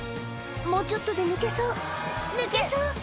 もうちょっとで抜けそう抜けそう！